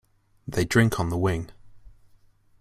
They drink on the wing.